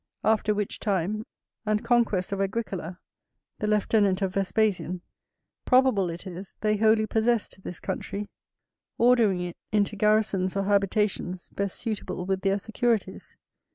After which time, and conquest of Agricola, the lieutenant of Vespasian, probable it is, they wholly possessed this country; ordering it into garrisons or habitations best suitable with their securities.